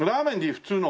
普通の。